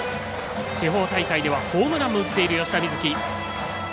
地方大会ではホームランも打っている吉田瑞樹。